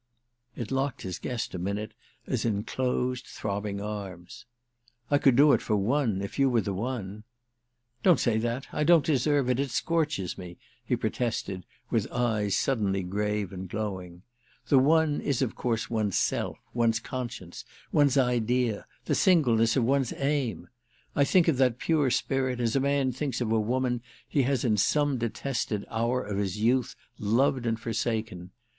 It locked his guest a minute as in closed throbbing arms. "I could do it for one, if you were the one." "Don't say that; I don't deserve it; it scorches me," he protested with eyes suddenly grave and glowing. "The 'one' is of course one's self, one's conscience, one's idea, the singleness of one's aim. I think of that pure spirit as a man thinks of a woman he has in some detested hour of his youth loved and forsaken.